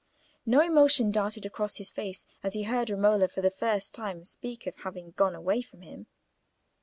No emotion darted across his face as he heard Romola for the first time speak of having gone away from him.